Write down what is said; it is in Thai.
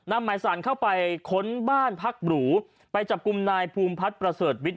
หมายสารเข้าไปค้นบ้านพักหรูไปจับกลุ่มนายภูมิพัฒน์ประเสริฐวิทย